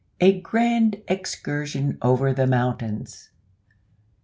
A GRAND EXCURSION OVER THE MOUNTAINS.